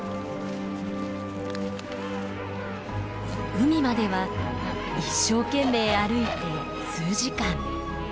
海までは一生懸命歩いて数時間。